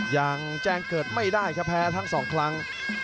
ยังแจ้งเกิดไม่ได้ครับแพ้ทั้งสองครั้ง